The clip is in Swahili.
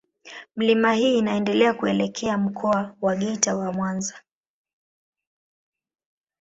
Milima hii inaendelea kuelekea Mkoa wa Geita na Mwanza.